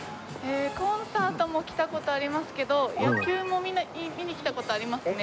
コンサートも来た事ありますけど野球も見に来た事ありますね。